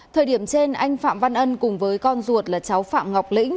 thời điểm trên anh phạm văn ân cùng với con ruột là cháu phạm ngọc lĩnh